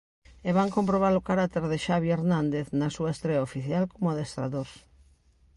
E van comprobar o carácter de Xavi Hernández na súa estrea oficial como adestrador.